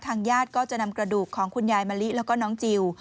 ญาติก็จะนำกระดูกของคุณยายมะลิแล้วก็น้องจิล